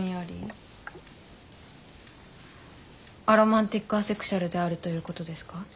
アロマンティック・アセクシュアルであるということですか？